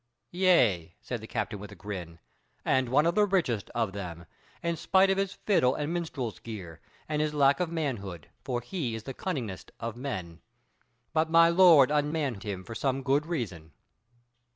"Yea," said the captain, with a grin, "and one of the richest of them, in despite of his fiddle and minstrel's gear, and his lack of manhood: for he is one of the cunningest of men. But my Lord unmanned him for some good reason."